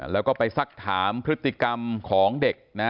แล้วก็ไปสักถามพฤติกรรมของเด็กนะ